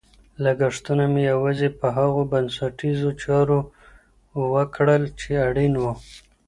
لګښتونه مې یوازې په هغو بنسټیزو چارو وکړل چې اړین وو.